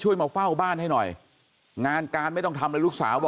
อยู่กับคุณพ่ออายุ๘๗แล้ว